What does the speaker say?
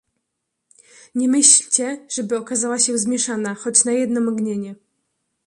"Nie myślcie, żeby okazała się zmieszana, choć na jedno mgnienie."